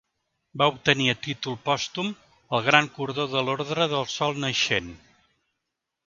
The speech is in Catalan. Va obtenir a títol pòstum el Gran Cordó de l'Ordre del Sol Naixent.